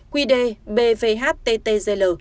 quy đề bvhttgl